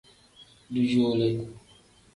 Dujuule.